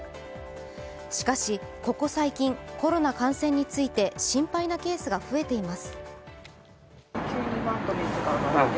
しかし、ここ最近、コロナ感染について心配なケースが増えています。